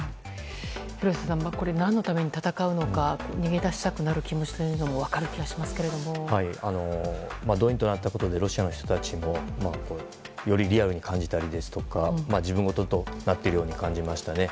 廣瀬さん、何のために戦うのか逃げ出したくなる気持ちも動員となったことでロシアの人たちもよりリアルに感じたりですとか自分事となっているように感じましたね。